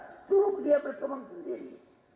itu dia berkembang sendiri